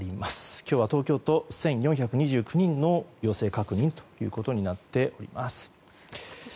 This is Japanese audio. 今日は東京都、１４２９人の陽性確認となっております。